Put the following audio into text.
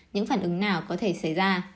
những phản ứng nào có thể xảy ra